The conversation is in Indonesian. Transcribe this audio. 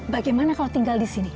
bagaimana kalau tinggal di sini